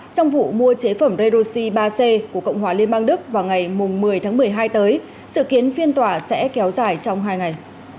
trong vụ mua chế phẩm redoxi ba c của cộng hòa liên bang đức vào ngày một mươi tháng một mươi hai tới sự kiến phiên tòa sẽ kéo dài trong hai ngày